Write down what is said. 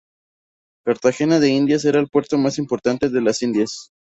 Cartagena de Indias era el puerto más importante de Las Indias.